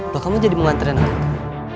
bahkan kamu jadi mengantarin aku